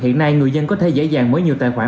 hiện nay người dân có thể dễ dàng mở nhiều tài khoản